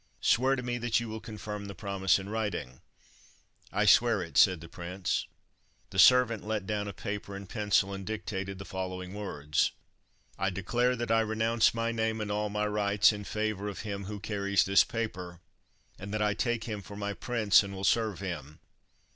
Swear to me that you will confirm the promise in writing." "I swear it," said the prince. The servant let down a paper and pencil, and dictated the following words— "I declare that I renounce my name and all my rights in favour of him who carries this paper, and that I take him for my prince, and will serve him.